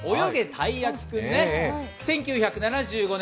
たいやきくん」、１９７５年